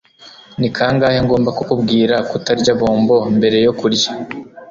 ni kangahe ngomba kukubwira kutarya bombo mbere yo kurya